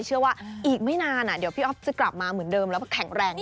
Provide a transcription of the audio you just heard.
เชื่อว่าอีกไม่นานเดี๋ยวพี่อ๊อฟจะกลับมาเหมือนเดิมแล้วก็แข็งแรง